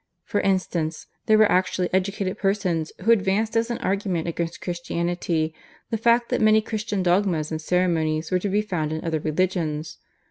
For instance, there were actually educated persons who advanced as an argument against Christianity the fact that many Christian dogmas and ceremonies were to be found in other religions.